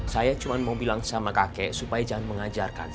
saya cuma mau bilang sama kakek supaya jangan mengajarkan